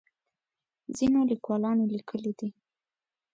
ځینو لیکوالانو لیکلي دي.